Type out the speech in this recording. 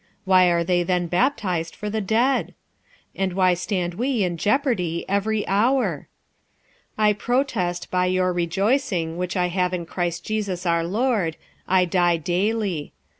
why are they then baptized for the dead? 46:015:030 And why stand we in jeopardy every hour? 46:015:031 I protest by your rejoicing which I have in Christ Jesus our Lord, I die daily.